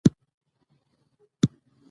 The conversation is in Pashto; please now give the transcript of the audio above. د معماوو جوړولو علمي درې لاري دي.